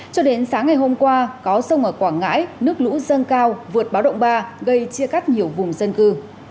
cho đến sáng ngày hôm qua có sông ở quảng ngãi nước lũ dâng cao vượt báo động ba gây chia cắt nhiều vùng dân cư